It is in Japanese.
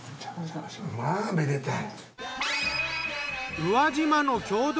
まぁめでたい。